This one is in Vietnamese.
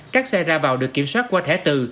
các xe ra vào được kiểm soát qua thẻ từ